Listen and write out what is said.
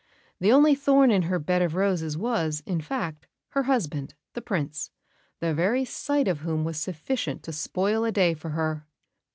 The only thorn in her bed of roses was, in fact, her husband, the Prince, the very sight of whom was sufficient to spoil a day for her.